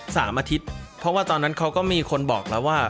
สามอาทิตย์เพราะว่าตอนนั้นเขาก็มีคนบอกแล้วว่า